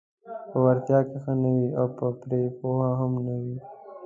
په وړتیا کې ښه نه وي او پرې پوه هم نه وي: